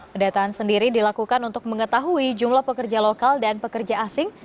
pendataan sendiri dilakukan untuk mengetahui jumlah pekerja lokal dan pekerja asing